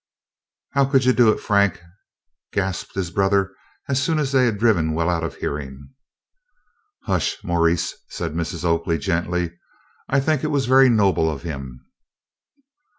"How could you do it, Frank?" gasped his brother, as soon as they had driven well out of hearing. "Hush, Maurice," said Mrs. Oakley gently; "I think it was very noble of him."